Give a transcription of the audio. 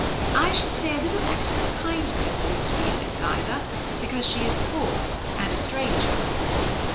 I should say a little extra kindness wouldn't be amiss, either, because she is poor, and a stranger."